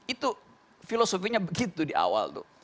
itu filosofinya begitu di awal tuh